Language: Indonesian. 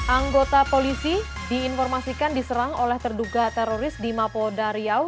anggota polisi diinformasikan diserang oleh terduga teroris di mapolda riau